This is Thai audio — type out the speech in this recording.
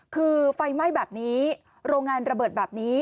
คือไฟไหม้แบบนี้โรงงานระเบิดแบบนี้